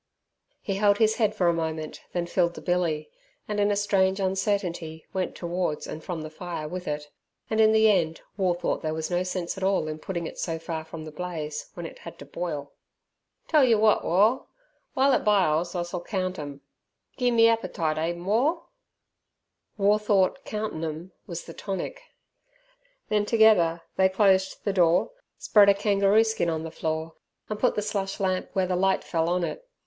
He held his head for a moment, then filled the billy, and in a strange uncertainty went towards and from the fire with it, and in the end War thought there was no sense at all in putting it so far from the blaze when it had to boil. "Tell yer wot, War, w'ile it biles us'll count 'em. Gimme appertite, ehm, War?" War thought "countin' 'em" was the tonic. Then together they closed the door, spread a kangaroo skin on the floor, and put the slush lamp where the light fell on it.